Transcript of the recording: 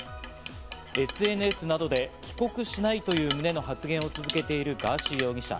ＳＮＳなどで帰国しないという旨の発言を続けているガーシー容疑者。